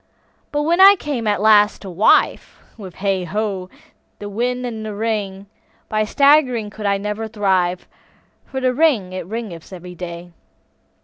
But when I came, alas! to wive, With hey, ho, the wind and the rain, By swaggering could I never thrive, For the rain it raineth every day.